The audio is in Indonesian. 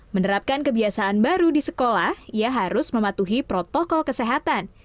menerapkan kebiasaan baru di sekolah ia harus mematuhi protokol kesehatan